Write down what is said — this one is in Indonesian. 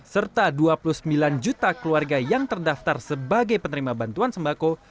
serta dua puluh sembilan juta keluarga yang terdaftar sebagai penerima bantuan sembako